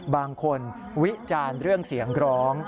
บางคนวิจารณ์เรื่องเสียงร้อง